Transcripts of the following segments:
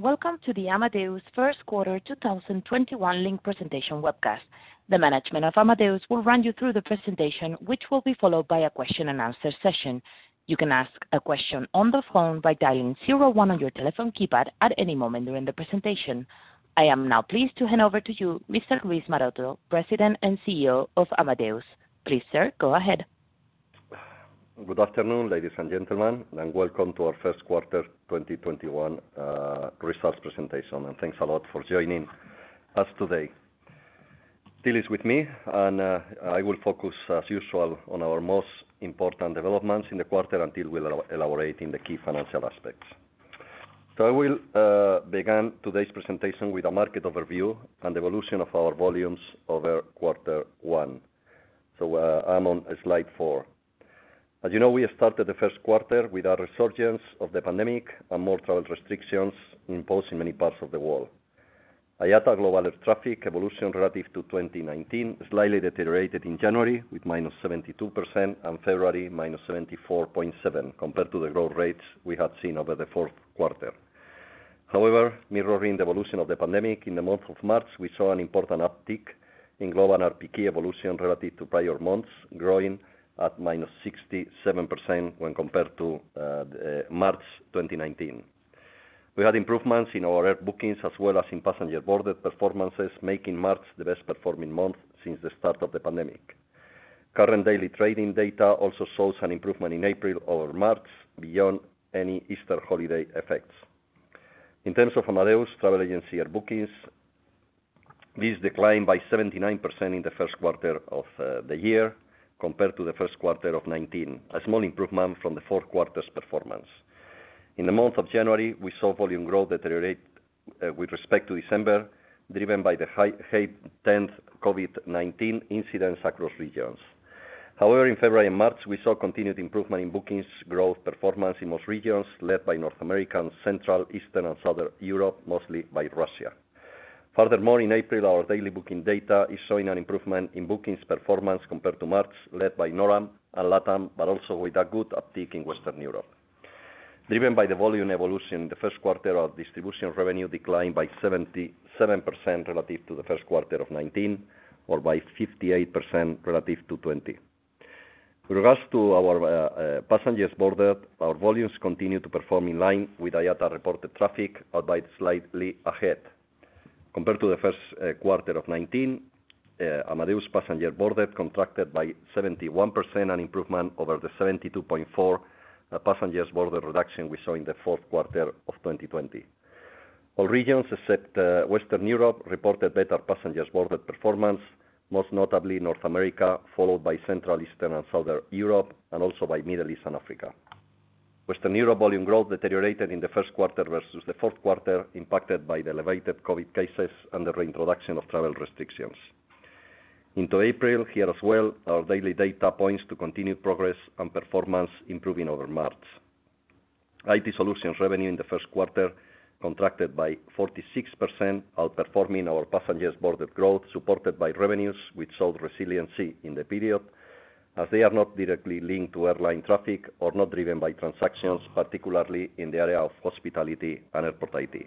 Welcome to the Amadeus First Quarter 2021 Presentation Webcast. The Management of Amadeus will run you through the presentation, which will be followed by a question-and-answer session. You can ask a question on the phone by dialing zero one on your telephone keypad at any moment during the presentation. I am now pleased to hand over to you, Mr. Luis Maroto, President and CEO of Amadeus. Please, sir, go ahead. Good afternoon, ladies and gentlemen, and welcome to our First Quarter 2021 Results Presentation, and thanks a lot for joining us today. Till is with me. I will focus, as usual, on our most important developments in the quarter. Till will elaborate on the key financial aspects. I will begin today's presentation with a market overview and evolution of our volumes over quarter one. I'm on slide four. As you know, we have started the first quarter with a resurgence of the pandemic and more travel restrictions imposed in many parts of the world. IATA global air traffic evolution relative to 2019 slightly deteriorated in January with -72%. February -74.7% compared to the growth rates we had seen over the fourth quarter. However, mirroring the evolution of the pandemic, in the month of March, we saw an important uptick in global RPK evolution relative to prior months, growing at -67% when compared to March 2019. We had improvements in our air bookings as well as in passenger boarded performances, making March the best-performing month since the start of the pandemic. Current daily trading data also shows an improvement in April over March, beyond any Easter holiday effects. In terms of Amadeus, travel agency air bookings, this declined by 79% in the first quarter of the year compared to the first quarter of 2019, a small improvement from the fourth quarter's performance. In the month of January, we saw volume growth deteriorate with respect to December, driven by the heightened COVID-19 incidents across regions. However, in February and March, we saw continued improvement in bookings growth performance in most regions, led by North America, Central, Eastern, and Southern Europe, mostly by Russia. Furthermore, in April, our daily booking data is showing an improvement in bookings performance compared to March, led by NORAM and LATAM, but also with a good uptick in Western Europe. Driven by the volume evolution in the first quarter, our distribution revenue declined by 77% relative to the first quarter of 2019, or by 58% relative to 2020. With regards to our passengers boarded, our volumes continue to perform in line with IATA-reported traffic, albeit slightly ahead. Compared to the first quarter of 2019, Amadeus passengers boarded contracted by 71%, an improvement over the 72.4% passengers boarded reduction we saw in the fourth quarter of 2020. All regions except Western Europe reported better Passengers Boarded performance, most notably North America, followed by Central, Eastern, and Southern Europe, and also by Middle East and Africa. Western Europe volume growth deteriorated in the first quarter versus the fourth quarter, impacted by the elevated COVID cases and the reintroduction of travel restrictions. Into April, here as well, our daily data points to continued progress and performance improving over March. IT Solutions revenue in the first quarter contracted by 46%, outperforming our Passengers Boarded growth, supported by revenues, which showed resiliency in the period as they are not directly linked to airline traffic or not driven by transactions, particularly in the area of Hospitality and Airport IT.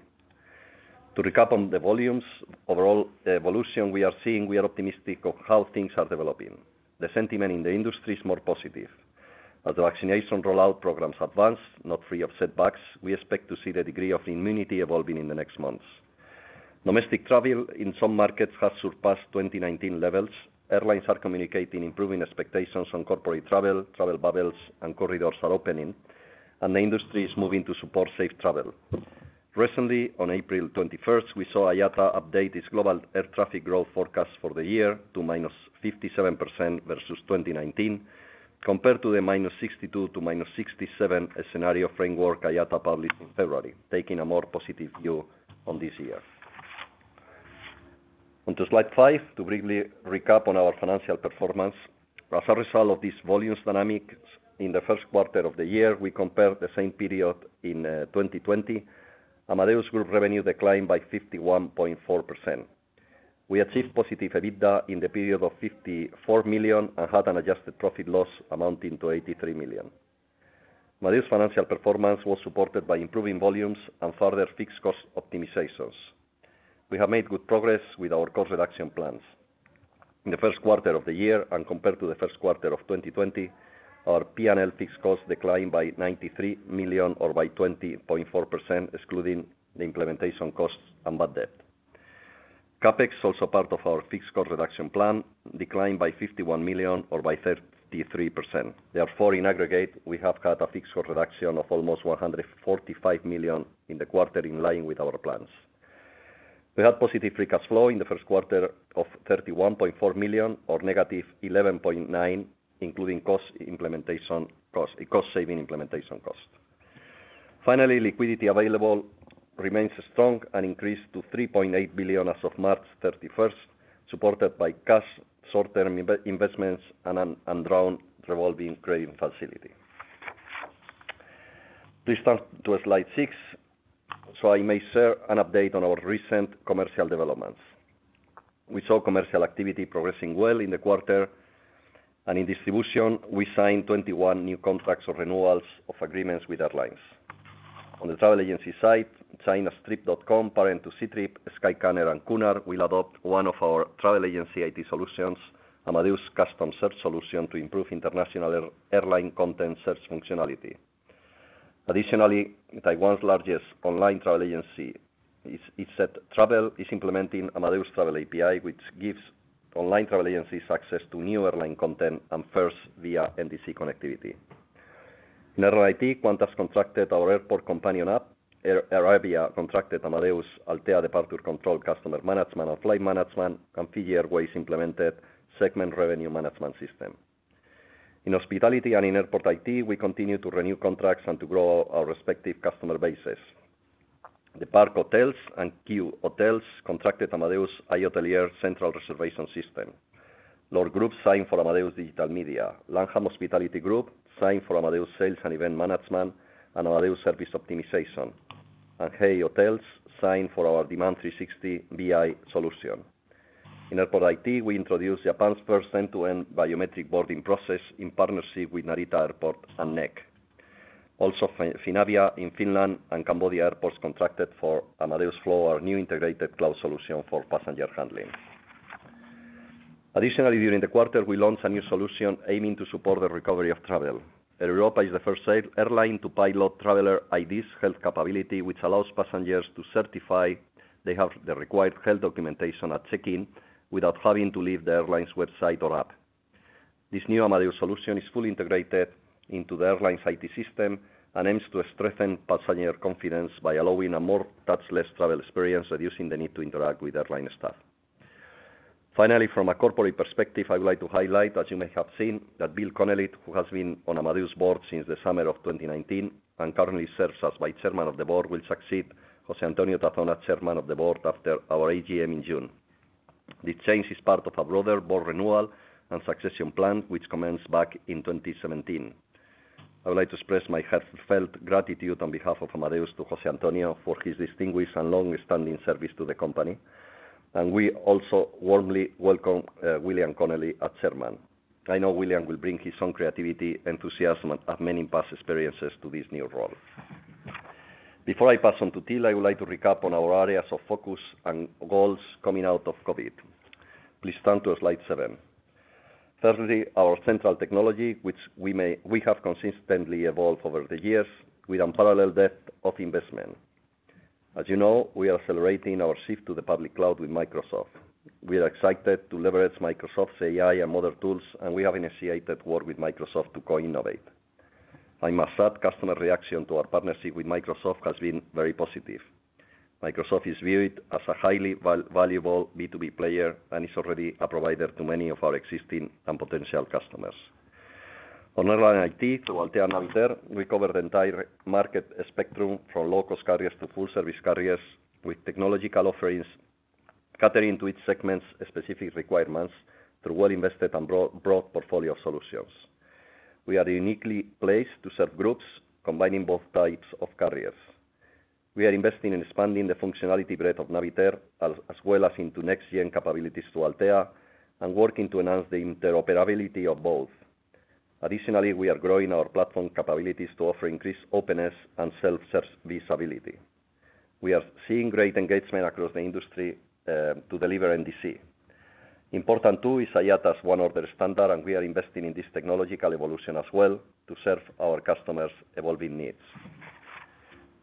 To recap on the volumes, overall evolution we are seeing we are optimistic of how things are developing. The sentiment in the industry is more positive. As the vaccination rollout programs advance, not free of setbacks, we expect to see the degree of immunity evolving in the next months. Domestic travel in some markets has surpassed 2019 levels. Airlines are communicating improving expectations on corporate travel bubbles, and corridors are opening, and the industry is moving to support safe travel. Recently, on April 21st, we saw IATA update its global air traffic growth forecast for the year to -57% versus 2019, compared to the -62% to -67% scenario framework IATA published in February, taking a more positive view on this year. On to slide five, to briefly recap on our financial performance. As a result of these volumes dynamics in the first quarter of the year, we compared the same period in 2020. Amadeus group revenue declined by 51.4%. We achieved positive EBITDA in the period of 54 million, and had an adjusted profit loss amounting to 83 million. Amadeus financial performance was supported by improving volumes and further fixed cost optimizations. We have made good progress with our cost reduction plans. In the first quarter of the year and compared to the first quarter of 2020, our P&L fixed costs declined by 93 million or by 20.4%, excluding the implementation costs and bad debt. CapEx, also part of our fixed cost reduction plan, declined by 51 million or by 33%. Therefore, in aggregate, we have had a fixed cost reduction of almost 145 million in the quarter in line with our plans. We had positive free cash flow in the first quarter of 31.4 million or -11.9 million, including cost-saving implementation cost. Finally, liquidity available remains strong and increased to 3.8 billion as of March 31st, supported by cash, short-term investments, and undrawn revolving credit facility. Please turn to slide six. I may share an update on our recent commercial developments. We saw commercial activity progressing well in the quarter, and in distribution, we signed 21 new contracts or renewals of agreements with airlines. On the travel agency side, China's Trip.com Group, parent to Ctrip, Skyscanner, and Qunar, will adopt one of our travel agency IT Solutions, Amadeus Custom Search solution, to improve international airline content search functionality. Additionally, Taiwan's largest online travel agency, ezTravel, is implementing Amadeus Travel API, which gives online travel agencies access to new airline content and fares via NDC connectivity. In Airline IT, Qantas contracted our Amadeus Airport Companion App. Air Arabia contracted Amadeus Altéa Departure Control – Customer Management and Flight Management, and Fiji Airways implemented Amadeus Segment Revenue Management System. In Hospitality and in Airport IT, we continue to renew contracts and to grow our respective customer bases. The Park Hotels and QHotels contracted Amadeus iHotelier Central Reservation System. Louvre Hotels Group signed for Amadeus Digital Media. Langham Hospitality Group signed for Amadeus Sales & Event Management and Amadeus Service Optimization. H-Hotels signed for our Demand360 BI solution. In Airport IT, we introduced Japan's first end-to-end biometric boarding process in partnership with Narita Airport and NEC. Also, Finavia in Finland and Cambodia airports contracted for Amadeus Flow, our new integrated cloud solution for passenger handling. Additionally, during the quarter, we launched a new solution aiming to support the recovery of travel. Air Europa is the first airline to pilot Traveler ID health capability, which allows passengers to certify they have the required health documentation at check-in without having to leave the airline's website or app. This new Amadeus solution is fully integrated into the airline's IT system and aims to strengthen passenger confidence by allowing a more touchless travel experience, reducing the need to interact with airline staff. From a corporate perspective, I would like to highlight, as you may have seen, that Bill Connelly, who has been on Amadeus Board since the summer of 2019 and currently serves as Vice Chairman of the Board, will succeed José Antonio Tazón as Chairman of the Board after our AGM in June. This change is part of a broader Board renewal and succession plan which commenced back in 2017. I would like to express my heartfelt gratitude on behalf of Amadeus to José Antonio for his distinguished and long-standing service to the company, and we also warmly welcome William Connelly as Chairman. I know William will bring his own creativity, enthusiasm, and many past experiences to this new role. Before I pass on to Till, I would like to recap on our areas of focus and goals coming out of COVID. Please turn to slide seven. Thirdly, our central technology, which we have consistently evolved over the years with unparalleled depth of investment. As you know, we are accelerating our shift to the public cloud with Microsoft. We are excited to leverage Microsoft's AI and model tools, and we have initiated work with Microsoft to co-innovate. I must add customer reaction to our partnership with Microsoft has been very positive. Microsoft is viewed as a highly valuable B2B player and is already a provider to many of our existing and potential customers. On Airline IT, through Altéa and Navitaire, we cover the entire market spectrum from low-cost carriers to full-service carriers with technological offerings catering to each segment's specific requirements through well-invested and broad portfolio solutions. We are uniquely placed to serve groups combining both types of carriers. We are investing in expanding the functionality breadth of Navitaire, as well as into next-gen capabilities to Altéa, and working to enhance the interoperability of both. Additionally, we are growing our platform capabilities to offer increased openness and self-service visibility. We are seeing great engagement across the industry, to deliver NDC. Important, too, is IATA's ONE Order standard, and we are investing in this technological evolution as well to serve our customers' evolving needs.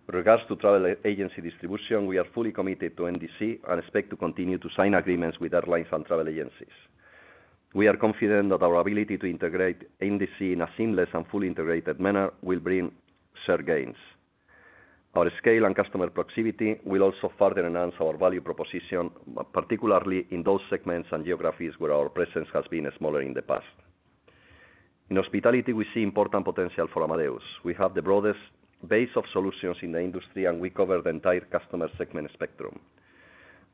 With regards to travel agency distribution, we are fully committed to NDC and expect to continue to sign agreements with airlines and travel agencies. We are confident that our ability to integrate NDC in a seamless and fully integrated manner will bring shared gains. Our scale and customer proximity will also further enhance our value proposition, particularly in those segments and geographies where our presence has been smaller in the past. In Hospitality, we see important potential for Amadeus. We have the broadest base of solutions in the industry, and we cover the entire customer segment spectrum.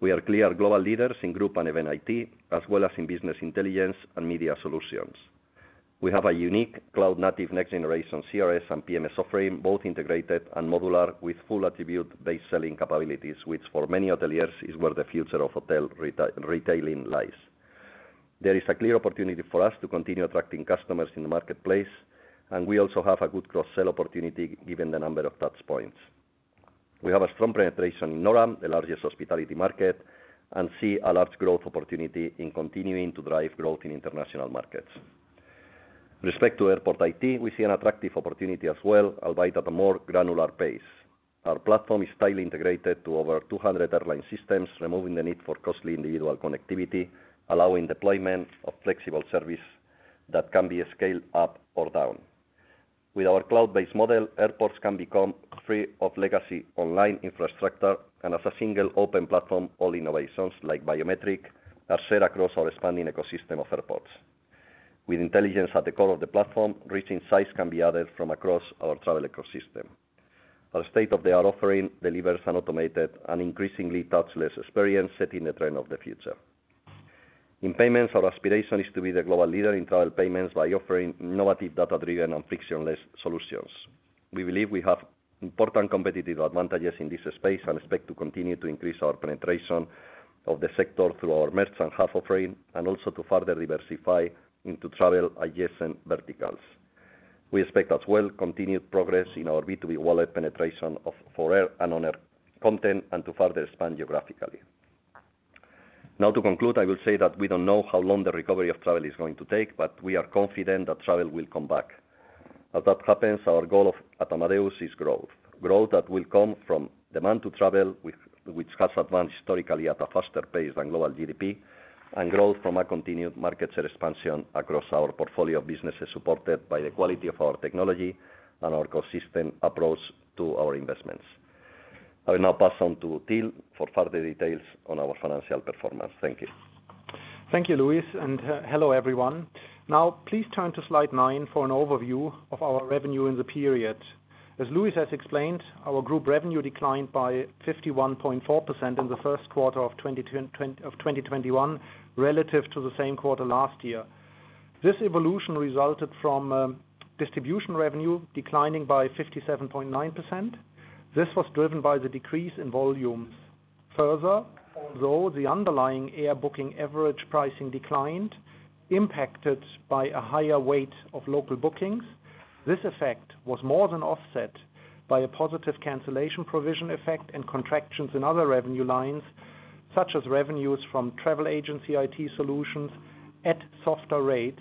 We are clear global leaders in group and event IT, as well as in business intelligence and media solutions. We have a unique cloud-native next-generation CRS and PMS offering, both integrated and modular, with full attribute-based selling capabilities, which for many hoteliers is where the future of hotel retailing lies. There is a clear opportunity for us to continue attracting customers in the marketplace, and we also have a good cross-sell opportunity given the number of touchpoints. We have a strong penetration in NORAM, the largest hospitality market, and see a large growth opportunity in continuing to drive growth in international markets. With respect to Airport IT, we see an attractive opportunity as well, albeit at a more granular pace. Our platform is tightly integrated to over 200 airline systems, removing the need for costly individual connectivity, allowing deployment of flexible service that can be scaled up or down. With our cloud-based model, airports can become free of legacy online infrastructure, and as a single open platform, all innovations like biometric are shared across our expanding ecosystem of airports. With intelligence at the core of the platform, rich insights can be added from across our travel ecosystem. Our state-of-the-art offering delivers an automated and increasingly touchless experience, setting the trend of the future. In payments, our aspiration is to be the global leader in travel payments by offering innovative, data-driven, and frictionless solutions. We believe we have important competitive advantages in this space and expect to continue to increase our penetration of the sector through our merchant services offering, and also to further diversify into travel adjacent verticals. We expect as well continued progress in our B2B Wallet penetration for Air and Non-Air Content and to further expand geographically. To conclude, I will say that we don't know how long the recovery of travel is going to take, but we are confident that travel will come back. As that happens, our goal at Amadeus is growth. Growth that will come from demand to travel, which has advanced historically at a faster pace than global GDP, and growth from a continued market share expansion across our portfolio of businesses, supported by the quality of our technology and our consistent approach to our investments. I will now pass on to Till for further details on our financial performance. Thank you. Thank you, Luis, and hello, everyone. Now please turn to slide nine for an overview of our revenue in the period. As Luis has explained, our group revenue declined by 51.4% in the first quarter of 2021 relative to the same quarter last year. This evolution resulted from distribution revenue declining by 57.9%. This was driven by the decrease in volumes. Further, although the underlying air booking average pricing declined, impacted by a higher weight of local bookings. This effect was more than offset by a positive cancellation provision effect and contractions in other revenue lines, such as revenues from travel agency IT Solutions at softer rates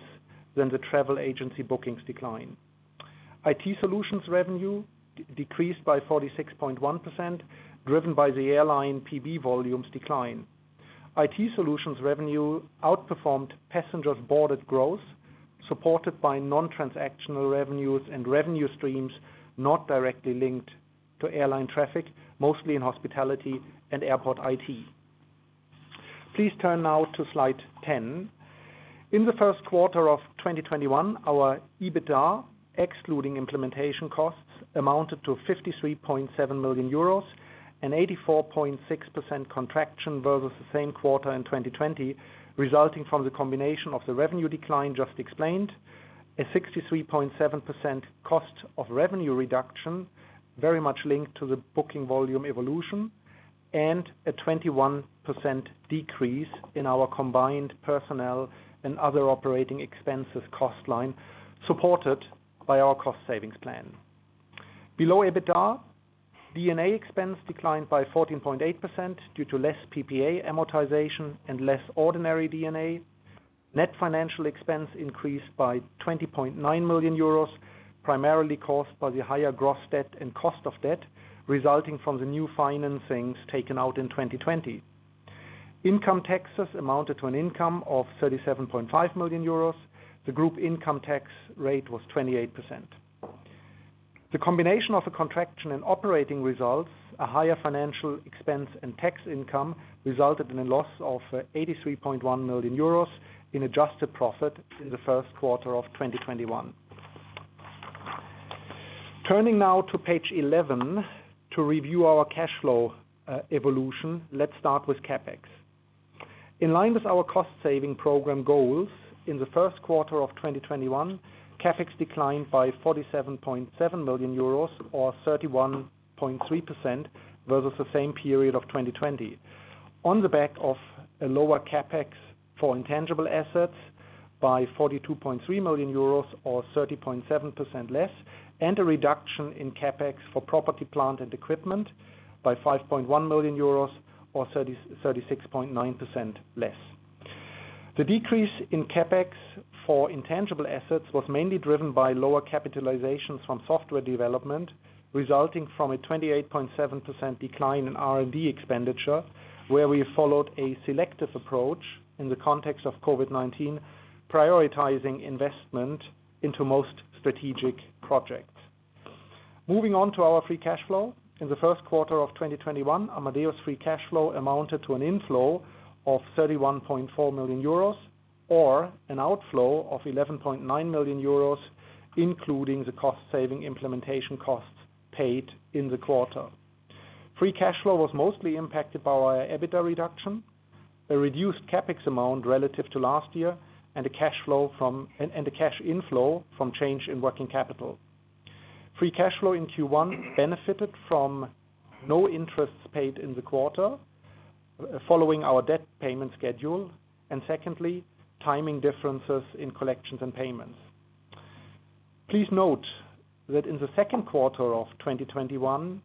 than the travel agency bookings decline. IT Solutions revenue decreased by 46.1%, driven by the airline PB volumes decline. IT Solutions revenue outperformed Passengers Boarded growth, supported by non-transactional revenues and revenue streams not directly linked to airline traffic, mostly in Hospitality and Airport IT. Please turn now to slide 10. In the first quarter of 2021, our EBITDA, excluding implementation costs, amounted to 53.7 million euros, an 84.6% contraction versus the same quarter in 2020, resulting from the combination of the revenue decline just explained, a 63.7% cost of revenue reduction, very much linked to the booking volume evolution, and a 21% decrease in our combined personnel and other operating expenses cost line supported by our cost savings plan. Below EBITDA, D&A expense declined by 14.8% due to less PPA amortization and less ordinary D&A. Net financial expense increased by 20.9 million euros, primarily caused by the higher gross debt and cost of debt resulting from the new financings taken out in 2020. Income taxes amounted to an income of 37.5 million euros. The group income tax rate was 28%. The combination of a contraction in operating results, a higher financial expense and tax income resulted in a loss of 83.1 million euros in adjusted profit in the first quarter of 2021. Turning now to page 11 to review our cash flow evolution. Let's start with CapEx. In line with our cost-saving program goals in the first quarter of 2021, CapEx declined by 47.7 million euros or 31.3% versus the same period of 2020. On the back of a lower CapEx for intangible assets by 42.3 million euros or 30.7% less, and a reduction in CapEx for property, plant, and equipment by 5.1 million euros or 36.9% less. The decrease in CapEx for intangible assets was mainly driven by lower capitalizations from software development, resulting from a 28.7% decline in R&D expenditure, where we followed a selective approach in the context of COVID-19, prioritizing investment into most strategic projects. Moving on to our free cash flow. In the first quarter of 2021, Amadeus free cash flow amounted to an inflow of 31.4 million euros or an outflow of 11.9 million euros, including the cost-saving implementation costs paid in the quarter. Free cash flow was mostly impacted by our EBITDA reduction, a reduced CapEx amount relative to last year, and a cash inflow from change in working capital. Free cash flow in Q1 benefited from no interest paid in the quarter following our debt payment schedule, and secondly, timing differences in collections and payments. Please note that in the second quarter of 2021,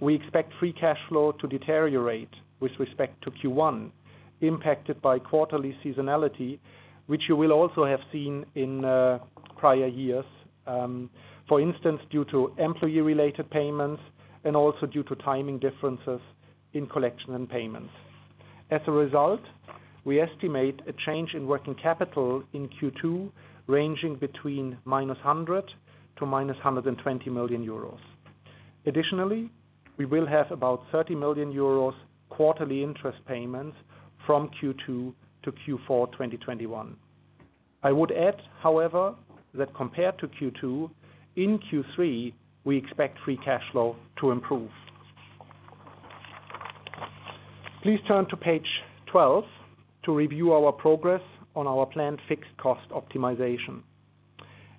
we expect free cash flow to deteriorate with respect to Q1 impacted by quarterly seasonality, which you will also have seen in prior years. For instance, due to employee-related payments and also due to timing differences in collection and payments. As a result, we estimate a change in working capital in Q2 ranging between -100 million euros to -120 million euros. Additionally, we will have about 30 million euros quarterly interest payments from Q2 to Q4 2021. I would add, however, that compared to Q2, in Q3 we expect free cash flow to improve. Please turn to page 12 to review our progress on our planned fixed cost optimization.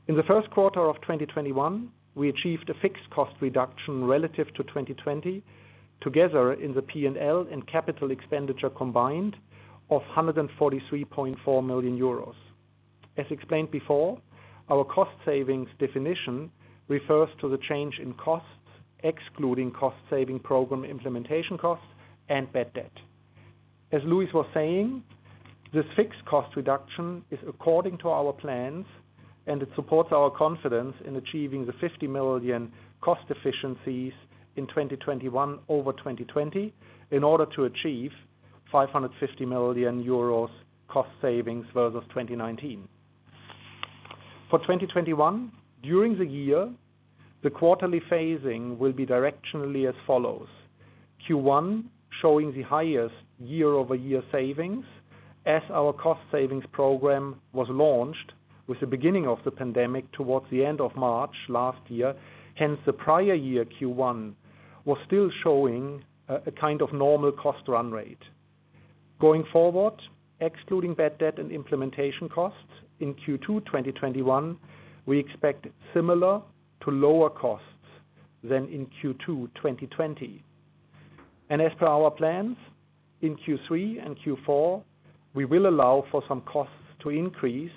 In the first quarter of 2021, we achieved a fixed cost reduction relative to 2020, together in the P&L and CapEx combined of 143.4 million euros. As explained before, our cost savings definition refers to the change in costs, excluding cost-saving program implementation costs and bad debt. As Luis was saying, this fixed cost reduction is according to our plans, and it supports our confidence in achieving the 50 million cost efficiencies in 2021 over 2020 in order to achieve 550 million euros cost savings versus 2019. For 2021, during the year, the quarterly phasing will be directionally as follows. Q1 showing the highest year-over-year savings as our cost savings program was launched with the beginning of the pandemic towards the end of March 2020, hence the prior year Q1 was still showing a kind of normal cost run rate. Going forward, excluding bad debt and implementation costs in Q2 2021, we expect similar to lower costs than in Q2 2020. As per our plans, in Q3 and Q4, we will allow for some costs to increase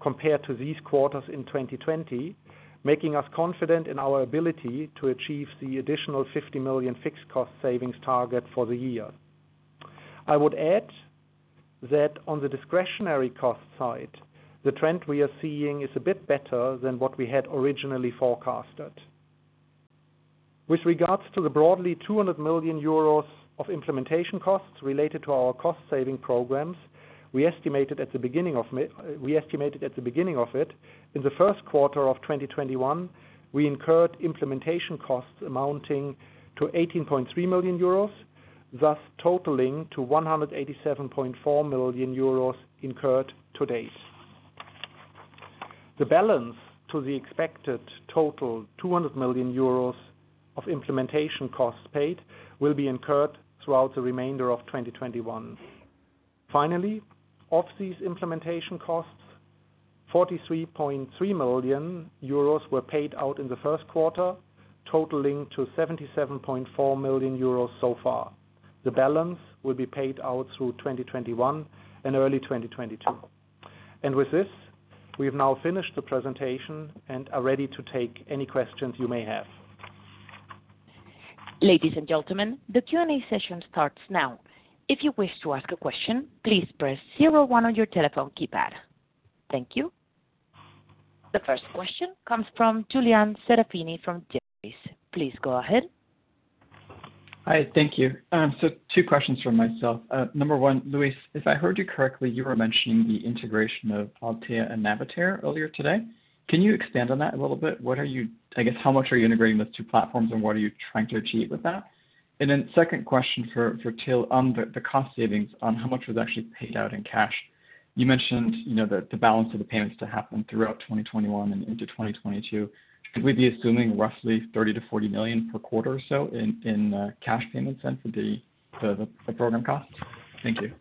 compared to these quarters in 2020, making us confident in our ability to achieve the additional 50 million fixed cost savings target for the year. I would add that on the discretionary cost side, the trend we are seeing is a bit better than what we had originally forecasted. With regards to the broadly 200 million euros of implementation costs related to our cost-saving programs, we estimated at the beginning of it, in the first quarter of 2021, we incurred implementation costs amounting to 18.3 million euros, thus totaling to 187.4 million euros incurred to date. The balance to the expected total 200 million euros of implementation costs paid will be incurred throughout the remainder of 2021. Finally, of these implementation costs, 43.3 million euros were paid out in the first quarter, totaling to 77.4 million euros so far. The balance will be paid out through 2021 and early 2022. With this, we have now finished the presentation and are ready to take any questions you may have. Ladies and gentlemen, the Q&A session starts now. If you wish to ask a question, please press zero one on your telephone keypad. Thank you. The first question comes from Julian Serafini from Jefferies. Please go ahead. Hi, thank you. Two questions from myself. Number one, Luis, if I heard you correctly, you were mentioning the integration of Altéa and Navitaire earlier today. Can you expand on that a little bit? I guess, how much are you integrating those two platforms and what are you trying to achieve with that? Second question for Till on the cost savings on how much was actually paid out in cash. You mentioned the balance of the payments to happen throughout 2021 and into 2022. Should we be assuming roughly 30 million-40 million per quarter or so in cash payments then for the program costs? Thank you.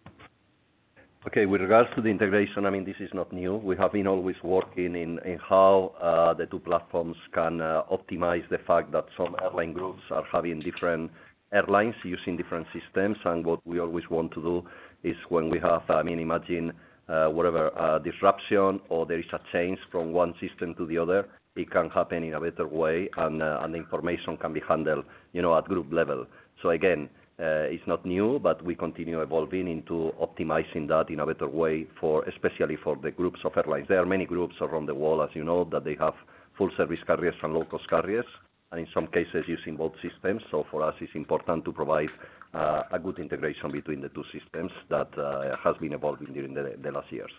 Okay. With regards to the integration, this is not new. We have been always working in how the two platforms can optimize the fact that some airline groups are having different airlines using different systems. What we always want to do is when we have, imagine, whatever disruption or there is a change from one system to the other, it can happen in a better way and the information can be handled at group level. Again, it's not new, but we continue evolving into optimizing that in a better way, especially for the groups of airlines. There are many groups around the world, as you know, that they have Full-Service Carriers and Low-Cost Carriers, and in some cases using both systems. For us, it's important to provide a good integration between the two systems that has been evolving during the last years.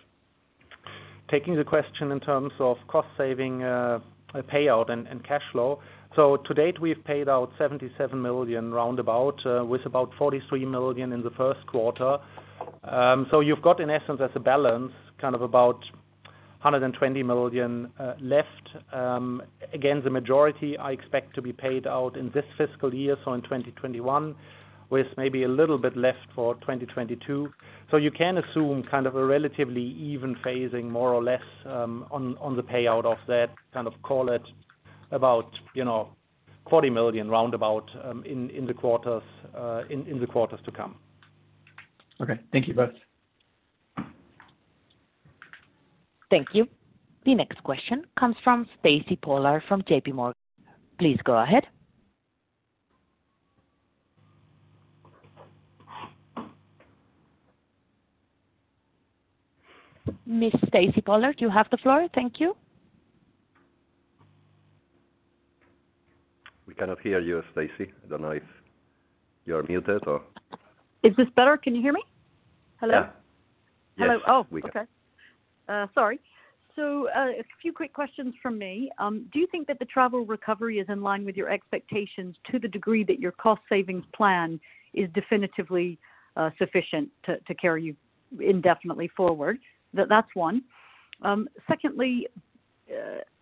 Taking the question in terms of cost saving, payout, and cash flow. To date, we've paid out 77 million roundabout, with about 43 million in the first quarter. You've got in essence as a balance, kind of about 120 million left. Again, the majority I expect to be paid out in this fiscal year, so in 2021, with maybe a little bit left for 2022. You can assume a relatively even phasing more or less, on the payout of that, call it about 40 million roundabout in the quarters to come. Okay. Thank you both. Thank you. The next question comes from Stacy Pollard from JPMorgan. Please go ahead. Ms. Stacy Pollard, you have the floor. Thank you. We cannot hear you, Stacy. I don't know if you are muted or. Is this better? Can you hear me? Hello? Yeah. Hello. Yes, we can. Oh, okay. Sorry. A few quick questions from me. Do you think that the travel recovery is in line with your expectations to the degree that your cost savings plan is definitively sufficient to carry you indefinitely forward? That's one. Secondly,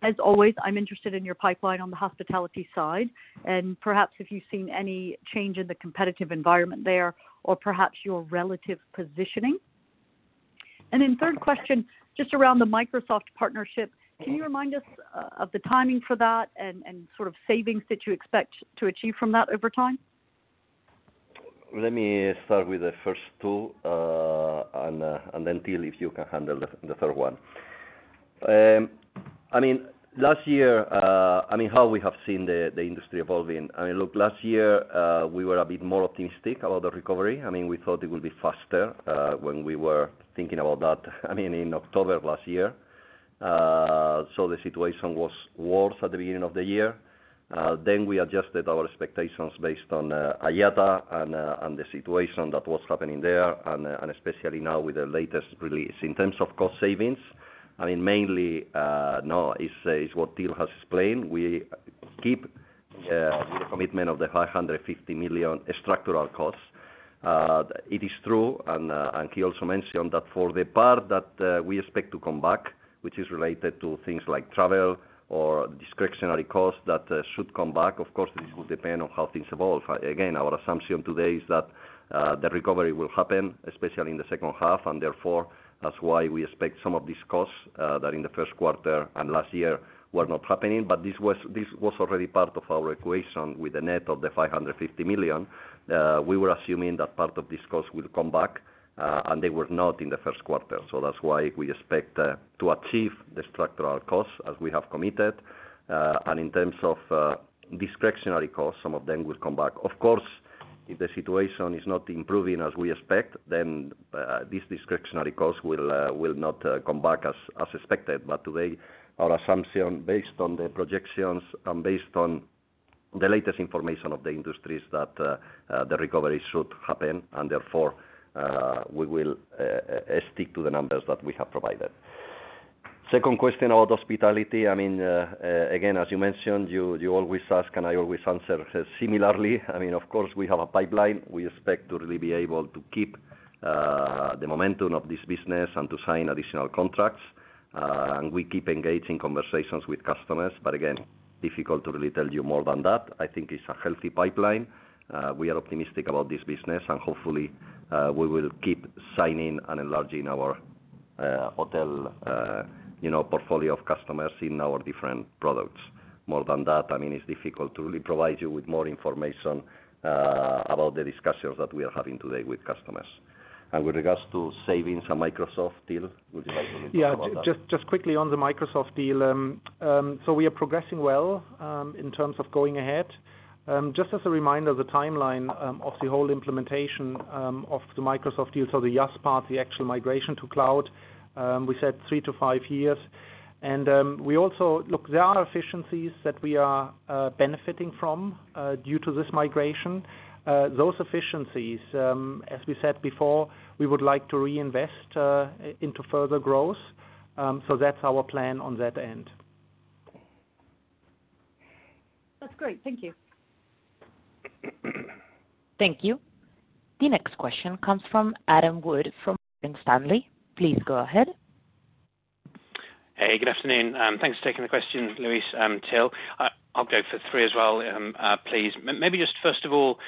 as always, I'm interested in your pipeline on the Hospitality side, and perhaps if you've seen any change in the competitive environment there, or perhaps your relative positioning. Third question, just around the Microsoft partnership, can you remind us of the timing for that and sort of savings that you expect to achieve from that over time? Let me start with the first two, and Till, if you can handle the third one. Last year, how we have seen the industry evolving. Last year, we were a bit more optimistic about the recovery. We thought it would be faster when we were thinking about that in October last year. The situation was worse at the beginning of the year. We adjusted our expectations based on IATA and the situation that was happening there, and especially now with the latest release. In terms of cost savings, mainly now is what Till has explained. We keep the commitment of the 550 million structural costs. It is true, he also mentioned that for the part that we expect to come back, which is related to things like travel or discretionary costs that should come back. This will depend on how things evolve. Our assumption today is that the recovery will happen, especially in the second half, and therefore, that's why we expect some of these costs, that in the first quarter and last year, were not happening. This was already part of our equation with the net of the 550 million. We were assuming that part of this cost will come back, and they were not in the first quarter. That's why we expect to achieve the structural costs as we have committed. In terms of discretionary costs, some of them will come back. Of course, if the situation is not improving as we expect, these discretionary costs will not come back as expected. Today, our assumption, based on the projections and based on the latest information of the industries, that the recovery should happen, and therefore, we will stick to the numbers that we have provided. Second question about Hospitality. As you mentioned, you always ask, and I always answer similarly. Of course, we have a pipeline. We expect to really be able to keep the momentum of this business and to sign additional contracts. We keep engaging conversations with customers. Again, difficult to really tell you more than that. I think it's a healthy pipeline. We are optimistic about this business, and hopefully, we will keep signing and enlarging our hotel portfolio of customers in our different products. More than that, it's difficult to really provide you with more information about the discussions that we are having today with customers. With regards to savings and Microsoft deal, would you like to comment on that? Yeah, just quickly on the Microsoft deal. We are progressing well in terms of going ahead. Just as a reminder, the timeline of the whole implementation of the Microsoft deal, the IaaS part, the actual migration to cloud. We said three to five years. We also, look, there are efficiencies that we are benefiting from due to this migration. Those efficiencies, as we said before, we would like to reinvest into further growth. That's our plan on that end. That's great. Thank you. Thank you. The next question comes from Adam Wood from Morgan Stanley. Please go ahead. Hey, good afternoon. Thanks for taking the question, Luis and Till. I'll go for three as well, please. Maybe just first of all,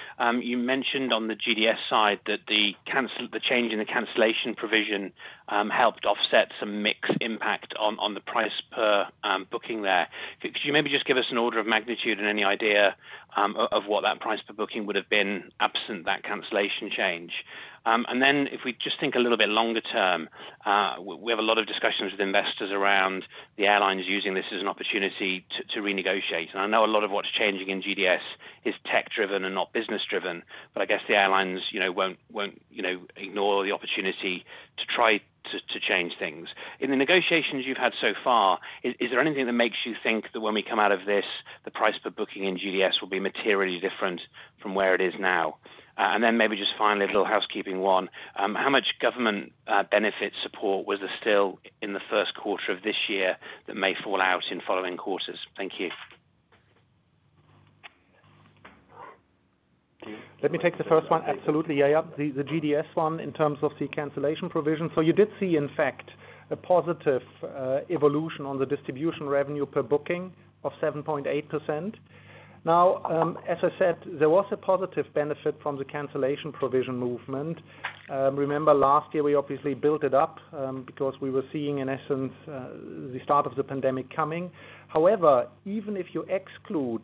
you mentioned on the GDS side that the change in the cancellation provision helped offset some mixed impact on the price per booking there. Could you maybe just give us an order of magnitude and any idea of what that price per booking would have been absent that cancellation change? Then if we just think a little bit longer term, we have a lot of discussions with investors around the airlines using this as an opportunity to renegotiate. I know a lot of what's changing in GDS is tech driven and not business driven. I guess the airlines won't ignore the opportunity to try to change things. In the negotiations you've had so far, is there anything that makes you think that when we come out of this, the price per booking in GDS will be materially different from where it is now? Maybe just finally, a little housekeeping one. How much government benefit support was there still in the first quarter of this year that may fall out in following quarters? Thank you. Let me take the first one. Absolutely. Yeah. The GDS one in terms of the cancellation provision. You did see, in fact, a positive evolution on the distribution revenue per booking of 7.8%. As I said, there was a positive benefit from the cancellation provision movement. Remember last year, we obviously built it up, because we were seeing, in essence, the start of the pandemic coming. However, even if you exclude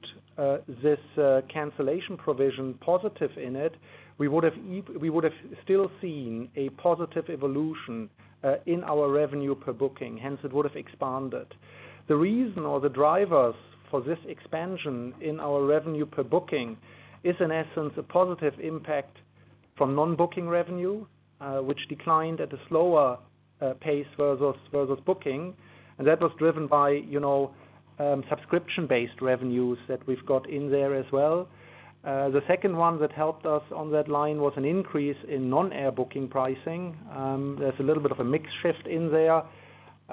this cancellation provision positive in it, we would've still seen a positive evolution in our revenue per booking. Hence, it would have expanded. The reason or the drivers for this expansion in our revenue per booking is, in essence, a positive impact from non-booking revenue, which declined at a slower pace versus booking. That was driven by subscription-based revenues that we've got in there as well. The second one that helped us on that line was an increase in Non-Air booking pricing. There's a little bit of a mix shift in there.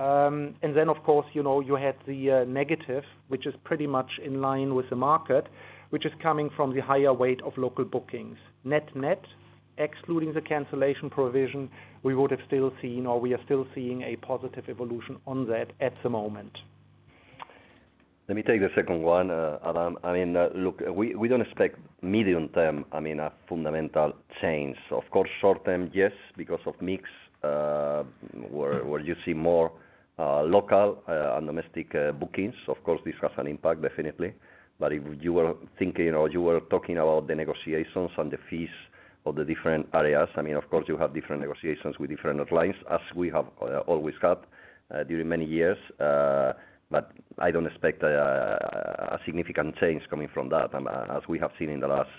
Of course, you had the negative, which is pretty much in line with the market, which is coming from the higher weight of local bookings. Net-net, excluding the cancellation provision, we would have still seen, or we are still seeing, a positive evolution on that at the moment. Let me take the second one, Adam. Look, we don't expect medium term, a fundamental change. Of course, short term, yes, because of mix, where you see more local and domestic bookings. Of course, this has an impact, definitely. If you were thinking or you were talking about the negotiations and the fees of the different areas, of course, you have different negotiations with different airlines, as we have always had during many years. I don't expect a significant change coming from that, as we have seen in the last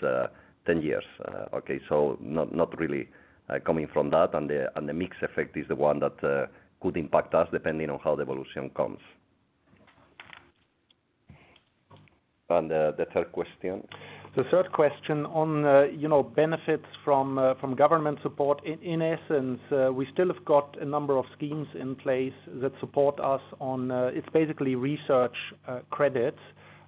10 years. Okay. Not really coming from that. The mix effect is the one that could impact us depending on how the evolution comes. The third question? The third question on benefits from government support. In essence, we still have got a number of schemes in place that support us on, it's basically research credits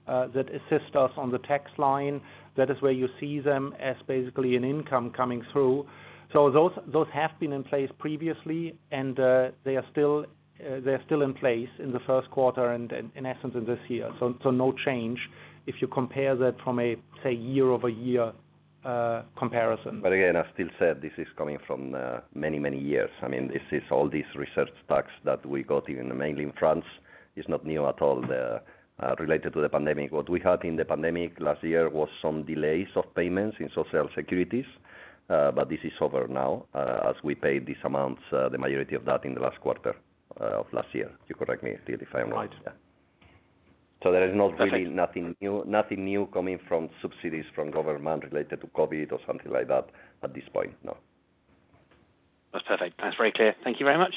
that assist us on the tax line. That is where you see them as basically an income coming through. Those have been in place previously, and they are still in place in the first quarter and in essence, in this year. No change if you compare that from a, say, year-over-year comparison. Again, as Till said, this is coming from many, many years. This is all this research tax that we got even in France. It is not new at all, related to the pandemic. What we had in the pandemic last year was some delays of payments in social securities. This is over now, as we paid these amounts, the majority of that in the last quarter of last year. You correct me, Till, if I am wrong. Yes. There's not really nothing new coming from subsidies from government related to COVID or something like that at this point, no. That's perfect. That's very clear. Thank you very much.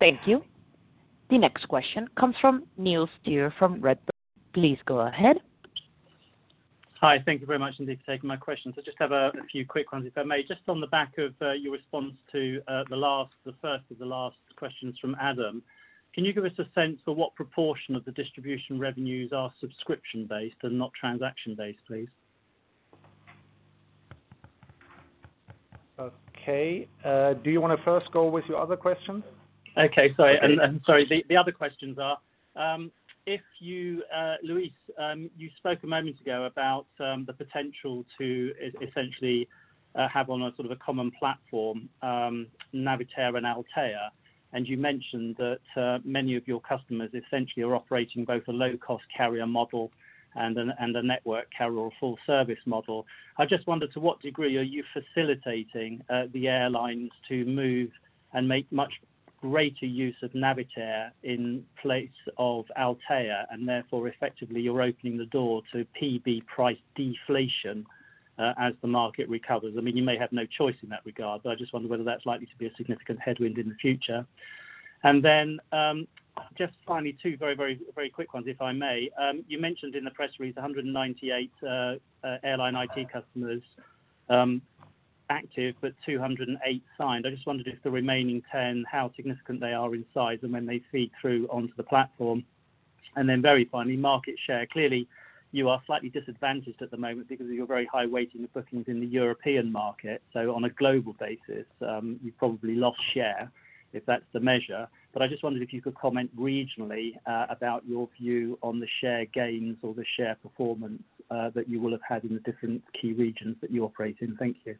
Thank you. The next question comes from Neil Steer from Redburn. Please go ahead. Hi. Thank you very much indeed for taking my questions. I just have a few quick ones, if I may. Just on the back of your response to the first of the last questions from Adam, can you give us a sense for what proportion of the distribution revenues are subscription based and not transaction based, please? Okay. Do you want to first go with your other questions? Okay. Sorry. The other questions are, Luis, you spoke a moment ago about the potential to essentially have on a sort of common platform, Navitaire and Altéa. You mentioned that many of your customers essentially are operating both a low-cost carrier model and a network carrier or full service model. I just wondered to what degree are you facilitating the airlines to move and make much greater use of Navitaire in place of Altéa, and therefore effectively you're opening the door to PB price deflation as the market recovers. You may have no choice in that regard, but I just wonder whether that's likely to be a significant headwind in the future. Then, just finally, two very quick ones, if I may. You mentioned in the press release, 198 airline IT customers active, but 208 signed. I just wondered if the remaining 10, how significant they are in size and when they feed through onto the platform. Very finally, market share. Clearly, you are slightly disadvantaged at the moment because of your very high weighting of bookings in the European market. On a global basis, you've probably lost share, if that's the measure. I just wondered if you could comment regionally about your view on the share gains or the share performance that you will have had in the different key regions that you operate in. Thank you.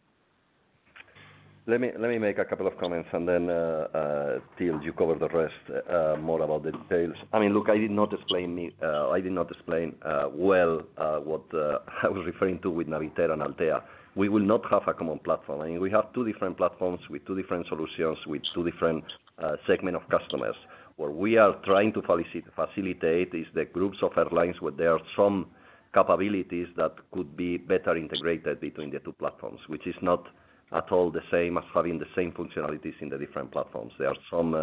Let me make a couple of comments, and then, Till, you cover the rest, more about the details. Look, I did not explain well what I was referring to with Navitaire and Altéa. We will not have a common platform. We have two different platforms with two different solutions, with two different segments of customers. What we are trying to facilitate is the groups of airlines where there are some capabilities that could be better integrated between the two platforms, which is not at all the same as having the same functionalities in the different platforms. There are some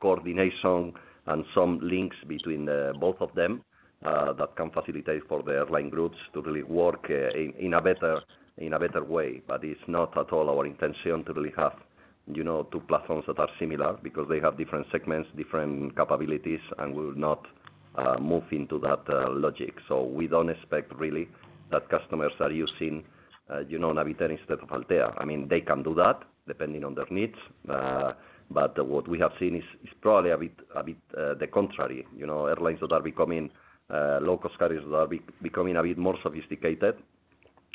coordination and some links between both of them that can facilitate for the airline groups to really work in a better way. It's not at all our intention to really have two platforms that are similar because they have different segments, different capabilities, and we will not move into that logic. We don't expect really that customers are using Navitaire instead of Altéa. They can do that depending on their needs. What we have seen is probably a bit the contrary. Airlines that are becoming Low-Cost Carriers are becoming a bit more sophisticated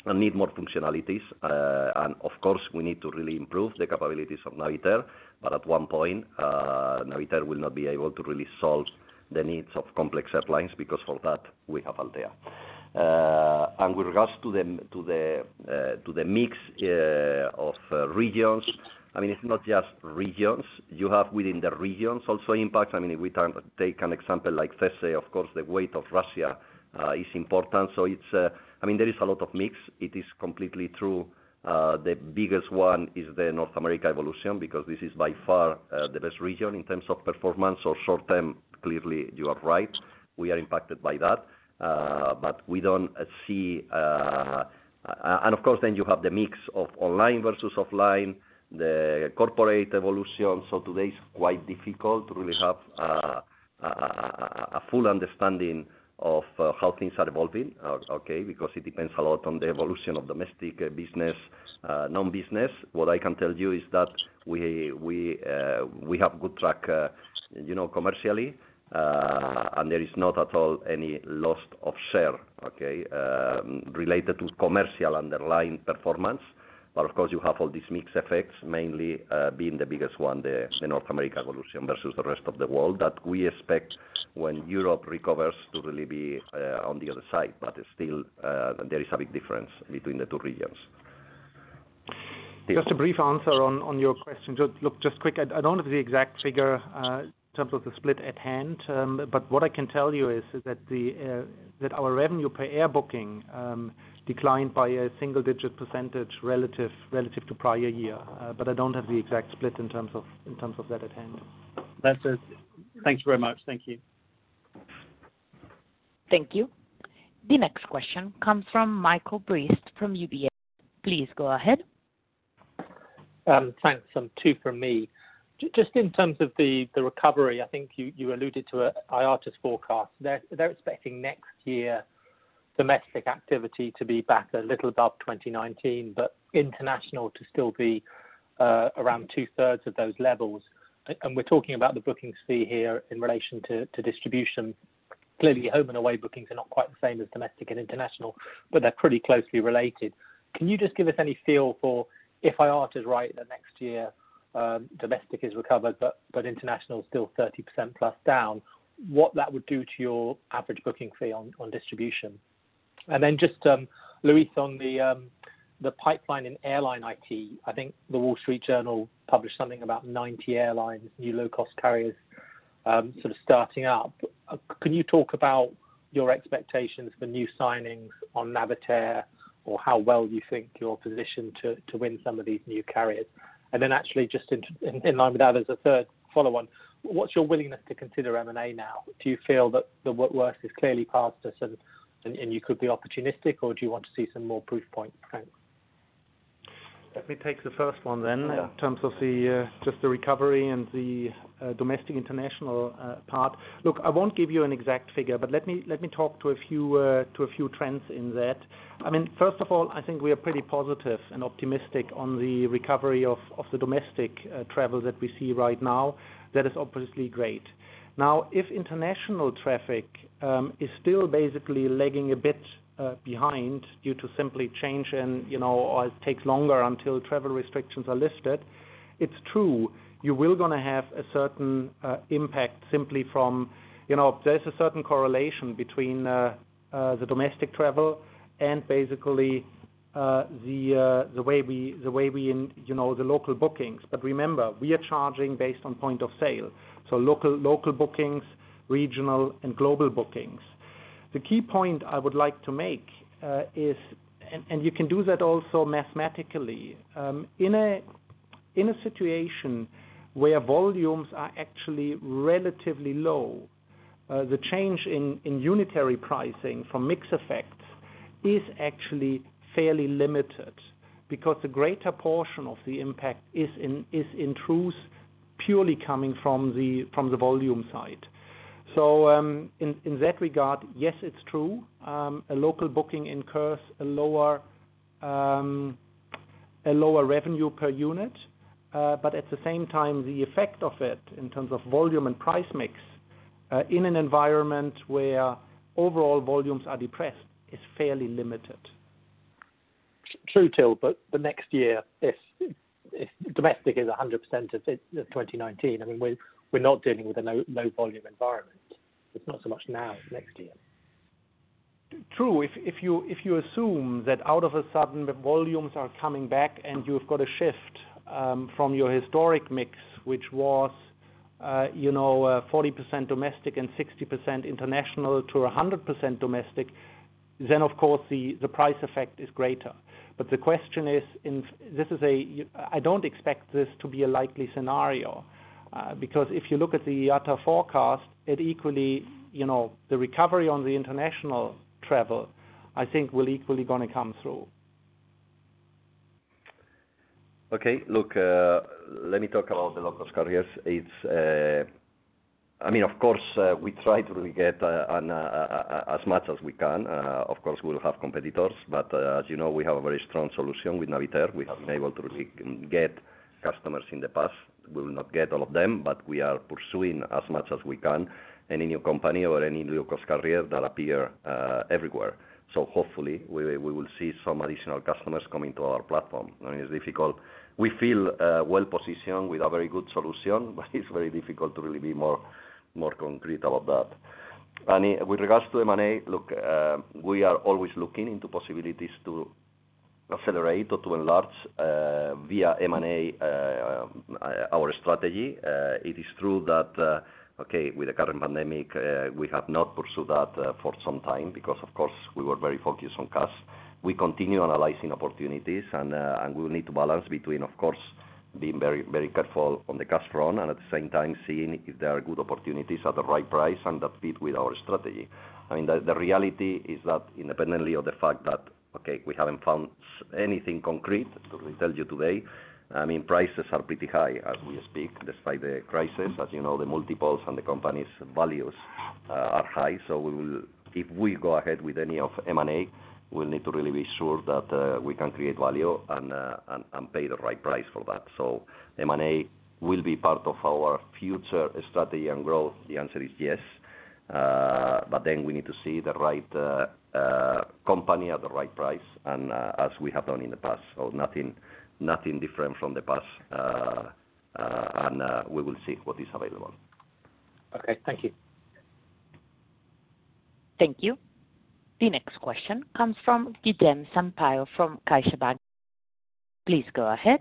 and need more functionalities. Of course, we need to really improve the capabilities of Navitaire. At one point, Navitaire will not be able to really solve the needs of complex airlines, because for that we have Altéa. With regards to the mix of regions, it's not just regions. You have within the regions also impact. We can take an example like they say, of course, the weight of Russia is important. There is a lot of mix. It is completely true, the biggest one is the North America evolution, because this is by far the best region in terms of performance or short term. Clearly, you are right. We are impacted by that. Of course, you have the mix of online versus offline, the corporate evolution. Today it's quite difficult to really have a full understanding of how things are evolving, okay? It depends a lot on the evolution of domestic business, non-business. What I can tell you is that we have a good track commercially, and there is not at all any loss of share, okay, related to commercial underlying performance. Of course, you have all these mixed effects, mainly being the biggest one, the North America evolution versus the rest of the world. That we expect when Europe recovers to really be on the other side. Still, there is a big difference between the two regions. Just a brief answer on your question. Look, just quick, I don't have the exact figure in terms of the split at hand. What I can tell you is that our revenue per air booking declined by a single-digit percentage relative to prior year. I don't have the exact split in terms of that at hand. Thanks very much. Thank you. Thank you. The next question comes from Michael Briest from UBS. Please go ahead. Thanks. Two from me. Just in terms of the recovery, I think you alluded to IATA's forecast. They're expecting next year domestic activity to be back a little above 2019, but international to still be around 2/3 of those levels. We're talking about the booking fee here in relation to distribution. Clearly home and away bookings are not quite the same as domestic and international, but they're pretty closely related. Can you just give us any feel for, if IATA is right, that next year domestic is recovered but international is still 30%-plus down, what that would do to your average booking fee on distribution? Just, Luis, on the pipeline in Airline IT, I think The Wall Street Journal published something about 90 airlines, new Low-Cost Carriers, sort of starting up. Could you talk about your expectations for new signings on Navitaire or how well you think you're positioned to win some of these new carriers? Actually, just in line with that as a third follow-on, what's your willingness to consider M&A now? Do you feel that the worst is clearly past and you could be opportunistic, or do you want to see some more proof points? Thanks. Let me take the first one, in terms of just the recovery and the domestic-international part. Look, I won't give you an exact figure, let me talk to a few trends in that. First of all, I think we are pretty positive and optimistic on the recovery of the domestic travel that we see right now. That is obviously great. If international traffic is still basically lagging a bit behind due to simply change and, or it takes longer until travel restrictions are lifted, it's true, you will going to have a certain impact simply from... There's a certain correlation between the domestic travel and basically the local bookings. Remember, we are charging based on point of sale, local bookings, regional, and global bookings. The key point I would like to make is, you can do that also mathematically. In a situation where volumes are actually relatively low, the change in unitary pricing for mix effects is actually fairly limited because the greater portion of the impact is, in truth, purely coming from the volume side. In that regard, yes, it's true. A local booking incurs a lower revenue per unit. At the same time, the effect of it in terms of volume and price mix in an environment where overall volumes are depressed is fairly limited. True, Till, the next year, if domestic is 100% of 2019, we're not dealing with a low volume environment. It's not so much now as next year. True. If you assume that all of a sudden, the volumes are coming back and you've got a shift from your historic mix, which was 40% domestic and 60% international to 100% domestic, then of course the price effect is greater. The question is, I don't expect this to be a likely scenario. If you look at the IATA forecast, the recovery on the international travel, I think, will equally going to come through. Let me talk about the Low-Cost Carriers. We try to really get as much as we can. We'll have competitors, as you know, we have a very strong solution with Navitaire, which has been able to really get customers in the past. We'll not get all of them, we are pursuing as much as we can any new company or any new Low-Cost Carrier that appear everywhere. Hopefully, we will see some additional customers coming to our platform. It's difficult. We feel well-positioned with a very good solution, it's very difficult to really be more concrete about that. With regards to M&A, we are always looking into possibilities to accelerate or to enlarge via M&A our strategy. It is true that, okay, with the current pandemic, we have not pursued that for some time because, of course, we were very focused on cash. We continue analyzing opportunities, and we need to balance between, of course, being very careful on the cash front and at the same time seeing if there are good opportunities at the right price and that fit with our strategy. The reality is that independently of the fact that, okay, we haven't found anything concrete to tell you today, prices are pretty high as we speak, despite the crisis. The multiples and the companies' values are high. If we go ahead with any of M&A, we'll need to really be sure that we can create value and pay the right price for that. M&A will be part of our future strategy and growth, the answer is yes, but then we need to see the right company at the right price, and as we have done in the past. Nothing different from the past, and we will see what is available. Okay. Thank you. Thank you. The next question comes from Guilherme Sampaio from CaixaBank. Please go ahead.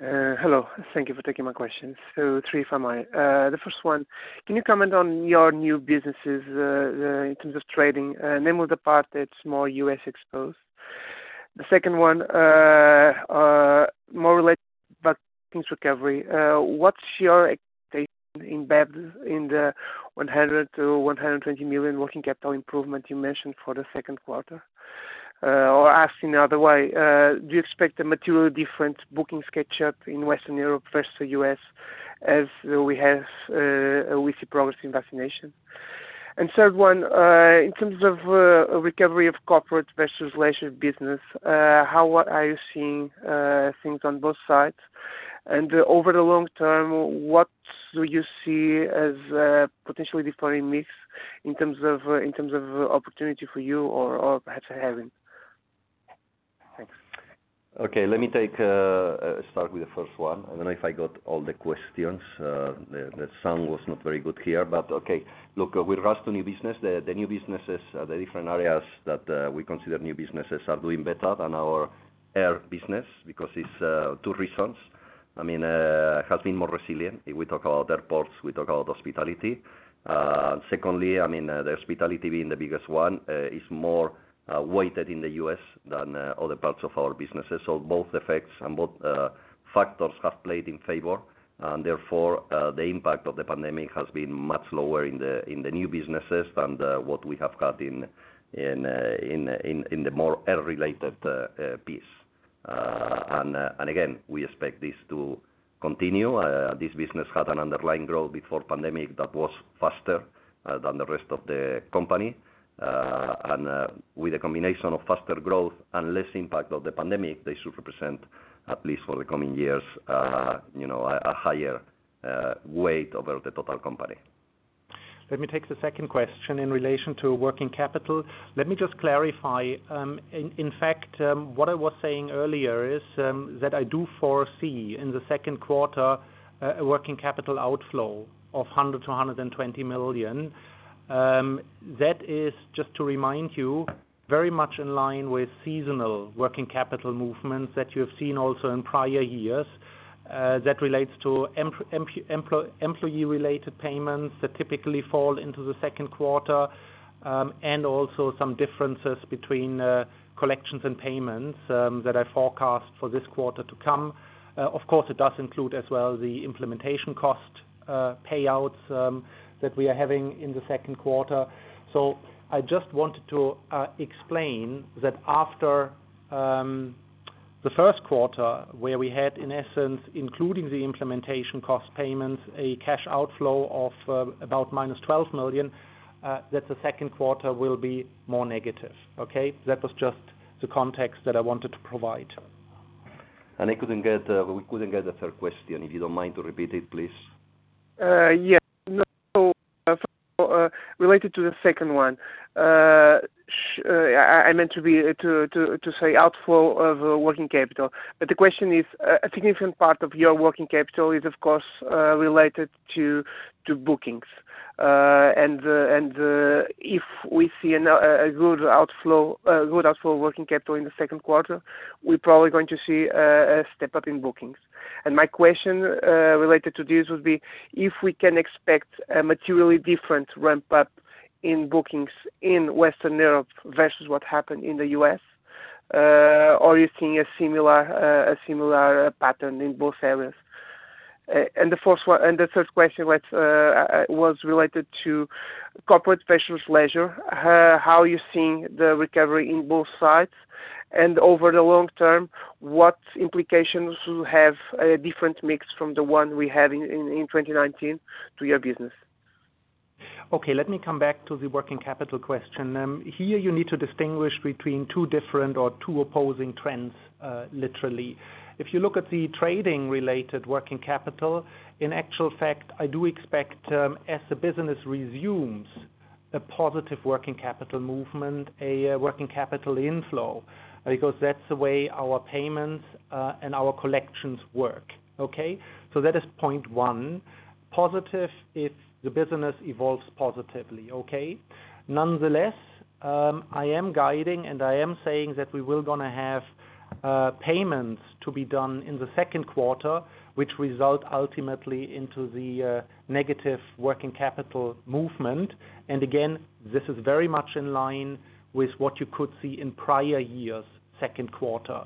Hello. Thank you for taking my questions. Three from my end. The first one, can you comment on your new businesses, in terms of trading, name of the part that's more U.S. exposed. The second one, more related to bookings recovery. What's your expectation in [bookings] in the 100 million to 120 million working capital improvement you mentioned for the second quarter? Or asked in another way, do you expect a material different bookings catch up in Western Europe versus the U.S. as we see progress in vaccination? Third one, in terms of recovery of corporate versus leisure business, how are you seeing things on both sides? And over the long term, what do you see as potentially differing mix in terms of opportunity for you or perhaps for having? Thanks. Okay. Let me start with the first one. I don't know if I got all the questions. The sound was not very good here, but okay. Look, with regards to new business, the different areas that we consider new businesses are doing better than our Air business because it's two reasons. I mean, has been more resilient. If we talk about airports, we talk about Hospitality. Secondly, the hospitality being the biggest one is more weighted in the U.S. than other parts of our businesses. Both effects and both factors have played in favor, and therefore, the impact of the pandemic has been much lower in the new businesses than what we have had in the more air-related piece. Again, we expect this to continue. This business had an underlying growth before pandemic that was faster than the rest of the company. With a combination of faster growth and less impact of the pandemic, they should represent, at least for the coming years, a higher weight over the total company. Let me take the second question in relation to working capital. Let me just clarify. In fact, what I was saying earlier is that I do foresee in the second quarter a working capital outflow of 100 million-120 million. That is just to remind you, very much in line with seasonal working capital movements that you have seen also in prior years. That relates to employee-related payments that typically fall into the second quarter, and also some differences between collections and payments that I forecast for this quarter to come. Of course, it does include as well the implementation cost payouts that we are having in the second quarter. I just wanted to explain that after the first quarter, where we had in essence including the implementation cost payments, a cash outflow of about minus 12 million, that the second quarter will be more negative. Okay. That was just the context that I wanted to provide. We couldn't get the third question. If you don't mind to repeat it, please. Related to the second one. I meant to say outflow of working capital. The question is, a significant part of your working capital is, of course, related to bookings. If we see a good outflow of working capital in the second quarter, we're probably going to see a step up in bookings. My question related to this would be, if we can expect a materially different ramp-up in bookings in Western Europe versus what happened in the U.S., are you seeing a similar pattern in both areas? The third question was related to corporate versus leisure. How are you seeing the recovery in both sides? Over the long term, what implications will have a different mix from the one we have in 2019 to your business? Okay, let me come back to the working capital question. Here you need to distinguish between two different or two opposing trends, literally. If you look at the trading-related working capital, in actual fact, I do expect as the business resumes, a positive working capital movement, a working capital inflow, because that's the way our payments and our collections work. Okay? That is point one. Positive if the business evolves positively. Okay? Nonetheless, I am guiding, and I am saying that we will going to have payments to be done in the second quarter, which result ultimately into the negative working capital movement. Again, this is very much in line with what you could see in prior years' second quarter.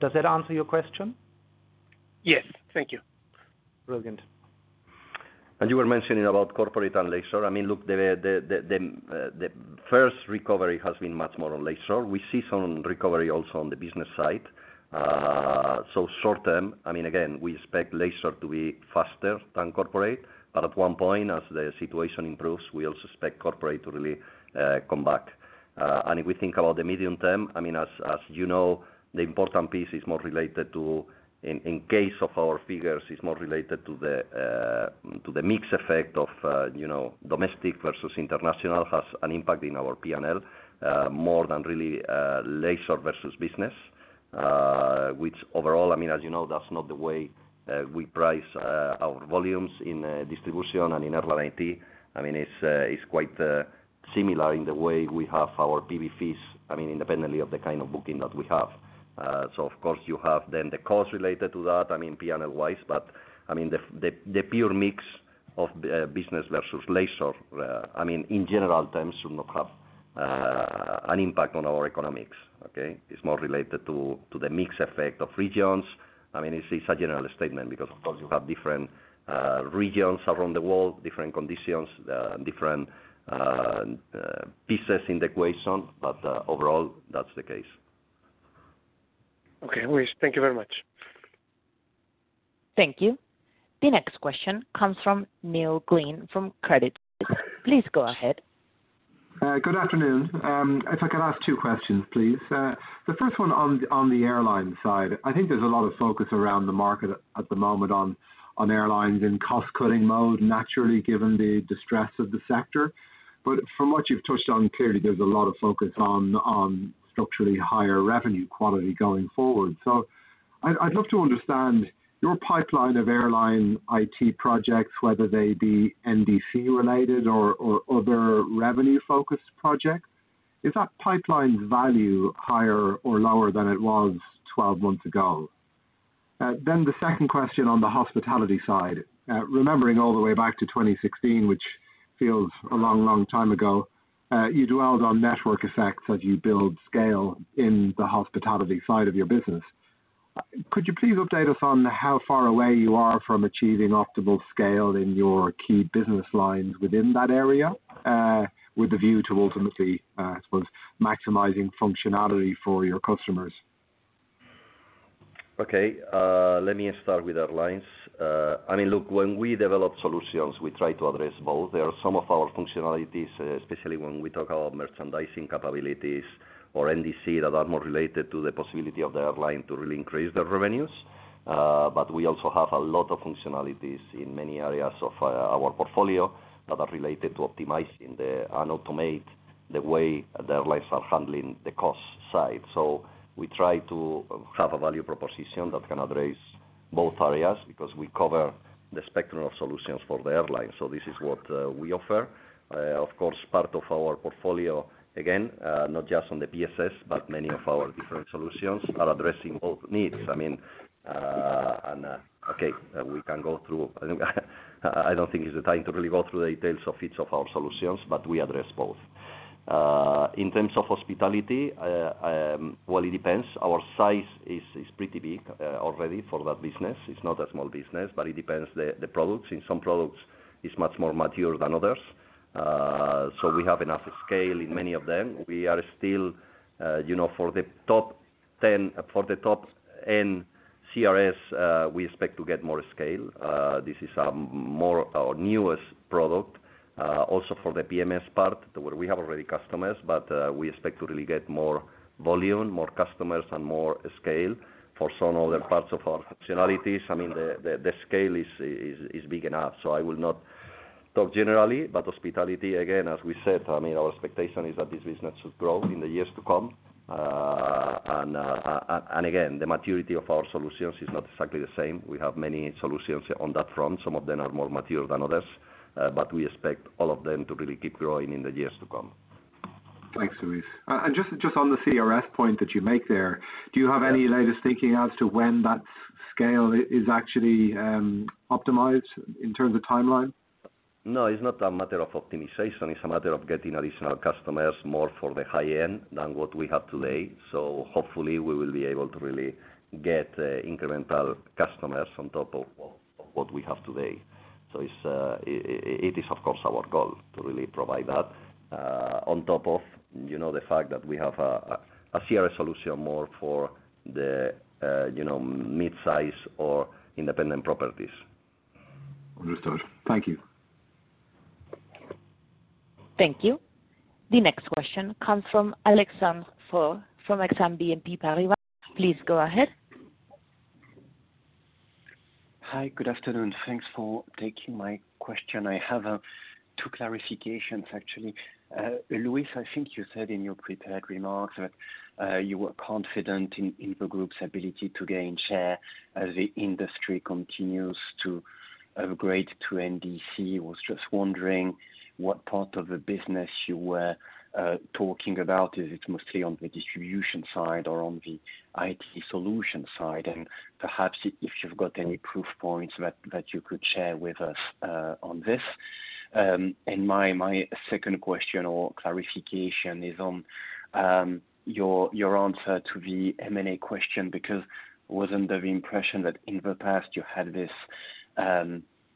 Does that answer your question? Yes. Thank you. Brilliant. You were mentioning about corporate and leisure. Look, the first recovery has been much more on leisure. We see some recovery also on the business side. Short term, again, we expect leisure to be faster than corporate, but at one point as the situation improves, we also expect corporate to really come back. If we think about the medium term, as you know, the important piece is more related to, in case of our figures, is more related to the mix effect of domestic versus international has an impact in our P&L more than really leisure versus business. Overall, as you know, that's not the way we price our volumes in distribution and in Airline IT. It's quite similar in the way we have our PB fees, independently of the kind of booking that we have. Of course you have then the cost related to that, P&L wise, but the pure mix of business versus leisure, in general terms, should not have an impact on our economics. Okay? It's more related to the mix effect of regions. It's a general statement because, of course, you have different regions around the world, different conditions, different pieces in the equation. Overall, that's the case. Okay. Luis, thank you very much. Thank you. The next question comes from Neil Glynn from Credit Suisse. Please go ahead. Good afternoon. If I could ask two questions, please. The first one on the airline side. I think there's a lot of focus around the market at the moment on airlines in cost-cutting mode, naturally, given the distress of the sector. From what you've touched on, clearly there's a lot of focus on structurally higher revenue quality going forward. I'd love to understand your pipeline of Airline IT projects, whether they be NDC related or other revenue-focused projects. Is that pipeline's value higher or lower than it was 12 months ago? The second question on the hospitality side. Remembering all the way back to 2016, which feels a long, long time ago, you dwelled on network effects as you build scale in the hospitality side of your business. Could you please update us on how far away you are from achieving optimal scale in your key business lines within that area, with a view to ultimately, I suppose, maximizing functionality for your customers? Okay. Let me start with airlines. Look, when we develop solutions, we try to address both. There are some of our functionalities, especially when we talk about merchandising capabilities or NDC, that are more related to the possibility of the airline to really increase their revenues. We also have a lot of functionalities in many areas of our portfolio that are related to optimizing and automate the way the airlines are handling the cost side. We try to have a value proposition that can address both areas because we cover the spectrum of solutions for the airlines. This is what we offer. Of course, part of our portfolio, again, not just on the PSS, but many of our different solutions are addressing both needs. Okay, we can go through I don't think it's the time to really go through the details of each of our solutions, but we address both. In terms of hospitality, well, it depends. Our size is pretty big already for that business. It's not a small business, but it depends the products. In some products, it's much more mature than others. We have enough scale in many of them. We are still, for the top 10 CRS, we expect to get more scale. This is our newest product. For the PMS part, we have already customers, but we expect to really get more volume, more customers, and more scale. For some other parts of our functionalities, the scale is big enough. I will not talk generally, but Hospitality, again, as we said, our expectation is that this business should grow in the years to come. Again, the maturity of our solutions is not exactly the same. We have many solutions on that front. Some of them are more mature than others. We expect all of them to really keep growing in the years to come. Thanks, Luis. Just on the CRS point that you make there, do you have any latest thinking as to when that scale is actually optimized in terms of timeline? No, it's not a matter of optimization. It's a matter of getting additional customers, more for the high-end than what we have today. Hopefully, we will be able to really get incremental customers on top of what we have today. It is, of course, our goal to really provide that, on top of the fact that we have a CRS solution more for the mid-size or independent properties. Understood. Thank you. Thank you. The next question comes from Alexandre Faure from Exane BNP Paribas. Please go ahead. Hi. Good afternoon. Thanks for taking my question. I have two clarifications, actually. Luis, I think you said in your prepared remarks that you were confident in the group's ability to gain share as the industry continues to upgrade to NDC. I was just wondering what part of the business you were talking about. Is it mostly on the distribution side or on the IT Solution side? Perhaps if you've got any proof points that you could share with us on this. My second question or clarification is on your answer to the M&A question, because I was under the impression that in the past you had this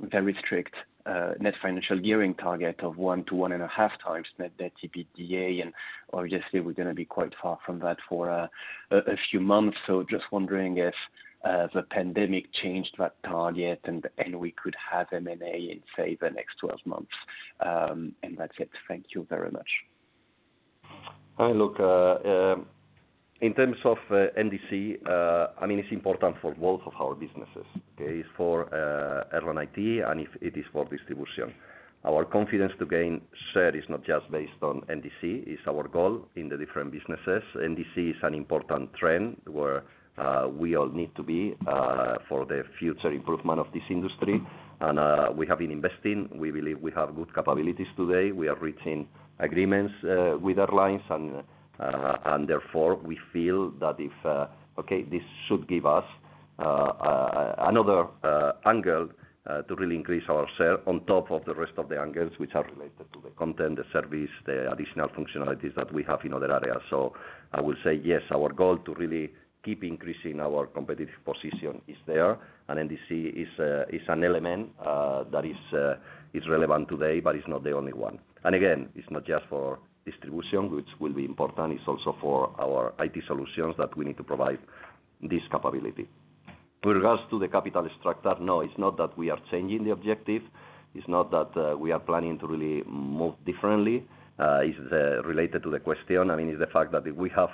very strict net financial gearing target of 1-1.5x net debt EBITDA, and obviously we're going to be quite far from that for a few months. Just wondering if the pandemic changed that target, and we could have M&A in, say, the next 12 months? That's it. Thank you very much. Look, in terms of NDC, it is important for both of our businesses. It is for Airline IT, and it is for distribution. Our confidence to gain share is not just based on NDC. It is our goal in the different businesses. NDC is an important trend where we all need to be for the future improvement of this industry. We have been investing. We believe we have good capabilities today. We are reaching agreements with airlines. Therefore, we feel that this should give us another angle to really increase our share on top of the rest of the angles, which are related to the content, the service, the additional functionalities that we have in other areas. I will say yes, our goal to really keep increasing our competitive position is there, and NDC is an element that is relevant today, but it is not the only one. Again, it's not just for distribution, which will be important. It's also for our IT Solutions that we need to provide this capability. With regards to the capital structure, no, it's not that we are changing the objective. It's not that we are planning to really move differently. It's related to the question. It's the fact that if we have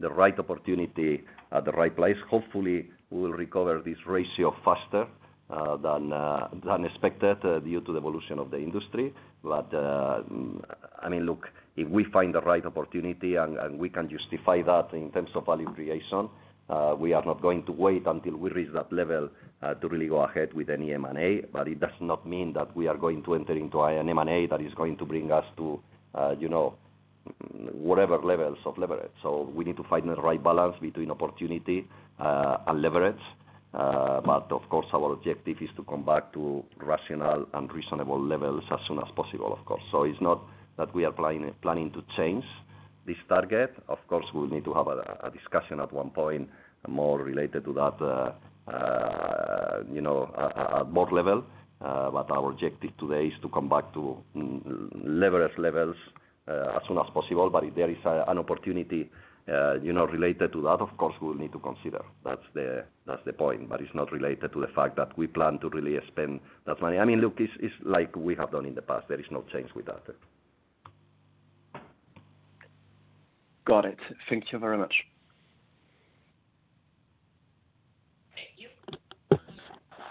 the right opportunity at the right place, hopefully, we will recover this ratio faster than expected due to the evolution of the industry. Look, if we find the right opportunity, and we can justify that in terms of value creation, we are not going to wait until we reach that level to really go ahead with any M&A, but it does not mean that we are going to enter into an M&A that is going to bring us to whatever levels of leverage. We need to find the right balance between opportunity and leverage. Of course, our objective is to come back to rational and reasonable levels as soon as possible, of course. It's not that we are planning to change this target. Of course, we'll need to have a discussion at one point more related to that board level. Our objective today is to come back to leverage levels as soon as possible. If there is an opportunity related to that, of course, we will need to consider. That's the point, but it's not related to the fact that we plan to really spend that money. Look, it's like we have done in the past. There is no change with that. Got it. Thank You very much. Thank you.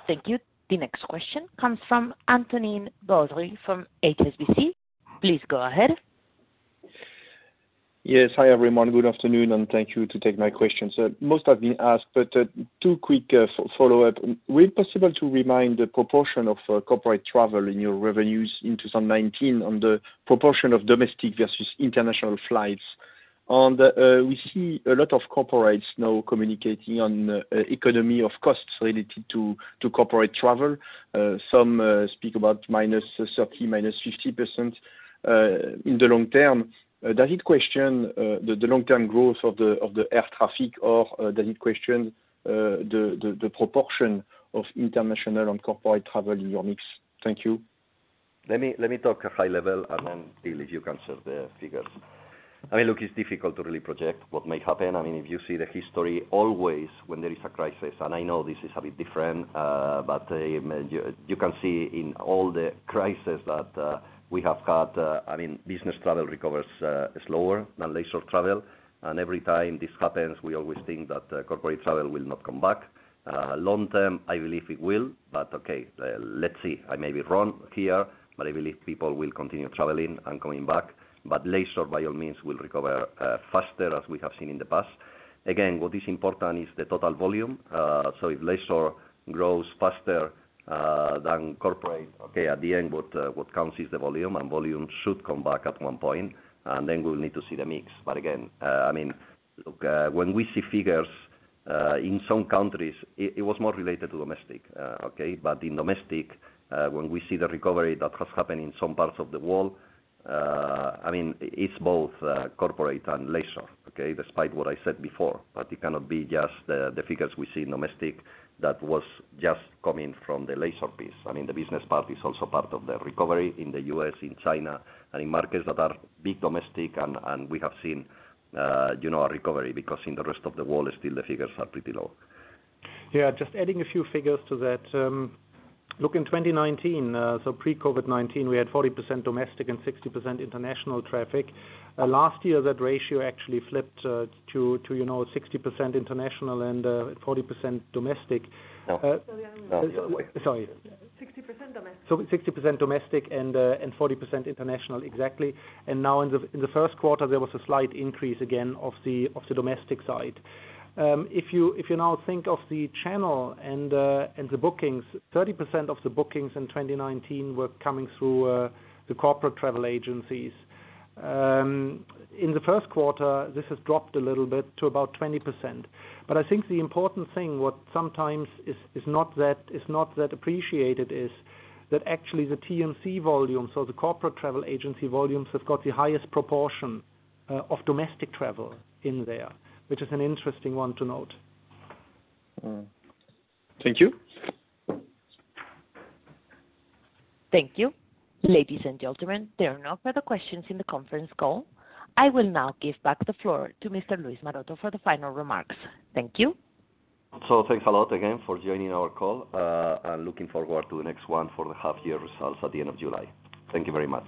Thank you. The next question comes from Antonin Baudry from HSBC. Please go ahead. Yes. Hi, everyone. Good afternoon, and thank you to take my question. Most have been asked, but two quick follow-ups. Will it be possible to remind the proportion of corporate travel in your revenues in 2019 and the proportion of domestic versus international flights? We see a lot of corporates now communicating on economy of costs related to corporate travel. Some speak about -30%, -50% in the long term. Does it question the long-term growth of the air traffic, or does it question the proportion of international and corporate travel in your mix? Thank you. Let me talk high level, and then, Till, if you can share the figures. It's difficult to really project what may happen. If you see the history, always when there is a crisis, and I know this is a bit different, but you can see in all the crises that we have had, business travel recovers slower than leisure travel. Every time this happens, we always think that corporate travel will not come back. Long term, I believe it will, but okay, let's see. I may be wrong here, but I believe people will continue traveling and coming back. Leisure, by all means, will recover faster, as we have seen in the past. What is important is the total volume. If leisure grows faster than corporate, okay, at the end, what counts is the volume, and volume should come back at one point, and then we'll need to see the mix. Again, when we see figures in some countries, it was more related to domestic. In domestic, when we see the recovery that has happened in some parts of the world, it's both corporate and leisure, despite what I said before. It cannot be just the figures we see in domestic that was just coming from the leisure piece. The business part is also part of the recovery in the U.S., in China, and in markets that are big domestic, and we have seen a recovery because in the rest of the world, still the figures are pretty low. Yeah, just adding a few figures to that. Look, in 2019, so pre-COVID-19, we had 40% domestic and 60% international traffic. Last year, that ratio actually flipped to 60% international and 40% domestic. Sorry- 60% domestic. Sorry, 60% domestic and 40% international. Exactly. Now in the first quarter, there was a slight increase again of the domestic side. If you now think of the channel and the bookings, 30% of the bookings in 2019 were coming through the corporate travel agencies. In the first quarter, this has dropped a little bit to about 20%. I think the important thing, what sometimes is not that appreciated, is that actually the TMC volume, so the corporate travel agency volumes, have got the highest proportion of domestic travel in there, which is an interesting one to note. Thank you. Thank you. Ladies and gentlemen, there are no further questions in the conference call. I will now give back the floor to Mr. Luis Maroto for the final remarks. Thank you. Thanks a lot again for joining our call, and looking forward to the next one for the half-year results at the end of July. Thank you very much.